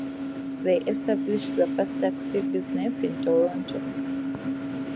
They established the first taxi business in Toronto.